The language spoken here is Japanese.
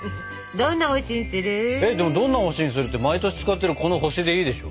えっどんな星にするって毎年使ってるこの星でいいでしょ？